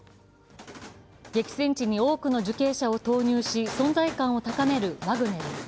激戦地に多くの受刑者を投入し存在感を高めるワグネル。